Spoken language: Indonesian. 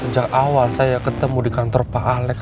sejak awal saya ketemu di kantor pak alex